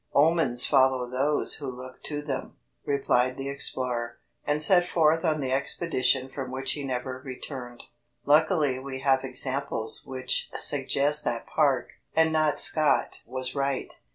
"Omens follow those who look to them," replied the explorer, and set forth on the expedition from which he never returned. Luckily we have examples which suggest that Park and not Scott was right.